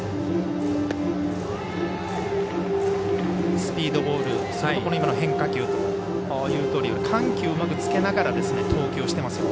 スピードボール変化球というように緩急をうまくつけながら投球をしていますよ。